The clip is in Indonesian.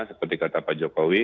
seperti kata pak jokowi